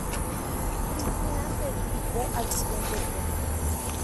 Cristina se disipó al siguiente día.